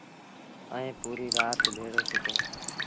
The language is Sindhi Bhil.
ائيٚݩ پوريٚ رآت ڀيڙو سُتو